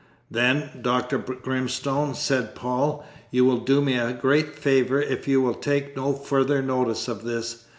"Then, Dr. Grimstone," said Paul, "you will do me a great favour if you will take no further notice of this.